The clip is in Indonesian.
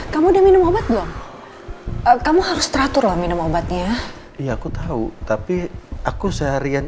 kamu dia minum obat belum kamu harus teratur lah minum obatnya ya aku tahu tapi aku seharian